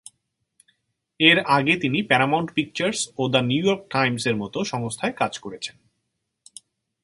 এর আগে তিনি প্যারামাউন্ট পিকচার্স ও "দ্য নিউ ইয়র্ক টাইমস"-এর মতো সংস্থায় কাজ করেছেন।